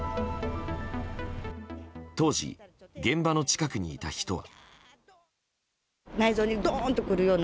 当時、現場の近くにいた人は。